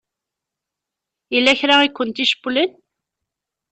Yella kra i kent-icewwlen?